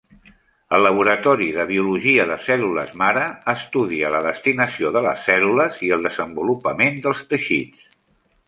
El laboratori de biologia de cèl·lules mare estudia la destinació de les cèl·lules i el desenvolupament dels teixits.